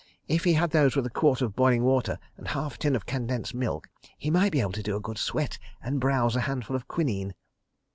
"If he had those with a quart of boiling water and half a tin of condensed milk, he might be able to do a good sweat and browse a handful of quinine."